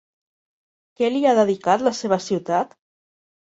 Què li ha dedicat la seva ciutat?